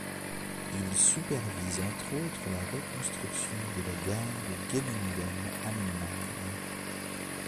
Il supervise entre autres la reconstruction de la gare de Gemünden am Main.